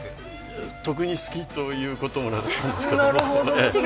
特に好きということもなかったです。